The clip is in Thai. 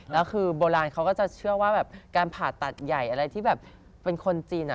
แล้วคือโบราณเขาก็จะเชื่อว่าแบบการผ่าตัดใหญ่อะไรที่แบบเป็นคนจีน